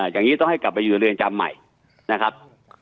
อย่างนี้ต้องให้กลับไปอยู่เรือนจำใหม่นะครับ